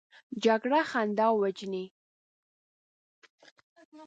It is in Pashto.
جګړه خندا وژني